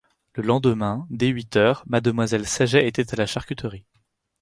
Le lendemain, dès huit heures, mademoiselle Saget était à la charcuterie.